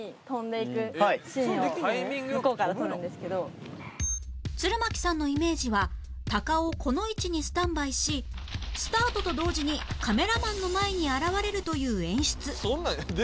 早速鶴巻さんのイメージはタカをこの位置にスタンバイしスタートと同時にカメラマンの前に現れるという演出